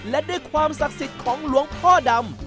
และด้วยความศักดิ์สิทธิ์ของหลวงพ่อดำ